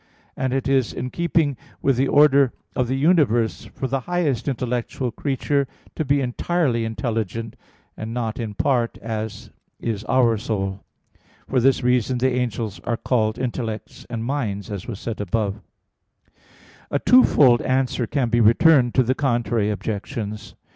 And it is in keeping with the order of the universe for the highest intellectual creature to be entirely intelligent; and not in part, as is our soul. For this reason the angels are called "intellects" and "minds," as was said above (A. 3, ad 1). A twofold answer can be returned to the contrary objections.